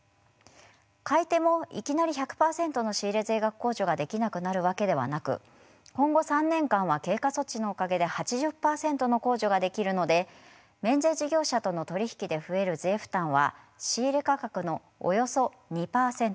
買い手もいきなり１００％の仕入れ税額控除ができなくなるわけではなく今後３年間は経過措置のおかげで８０％の控除ができるので免税事業者との取り引きで増える税負担は仕入れ価格のおよそ２％です。